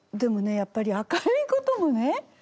やっぱり明るいこともね。